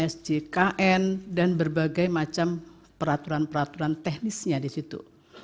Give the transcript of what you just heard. sjkn dan berbagai macam peraturan peraturan teknisnya di situ